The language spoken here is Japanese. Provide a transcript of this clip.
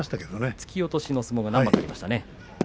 突き落としの相撲が何番かありましたね。